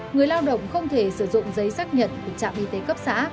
người lao động không thể sử dụng giấy xác nhận của trạm y tế cấp xã